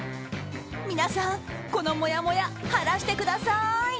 皆さん、このもやもや晴らしてください！